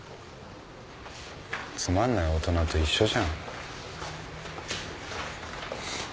つまんない大人と一緒じゃん。